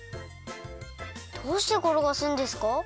どうしてころがすんですか？